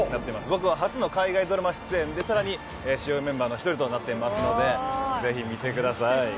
僕は初の海外ドラマ出演で、さらに主要メンバーの１人となっていますので、ぜひ見てください。